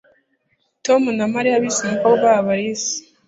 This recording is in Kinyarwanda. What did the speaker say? Tom na Mariya bise umukobwa wabo Alice